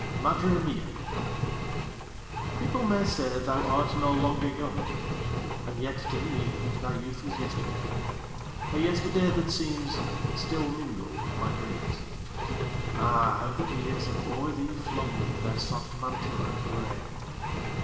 By William Hope Hodgson 1907 Madre Mia People may say thou art no longer young And yet, to me, thy youth was yesterday, A yesterday that seems Still mingled with my dreams. Ah! how the years have o'er thee flung Their soft mantilla, grey.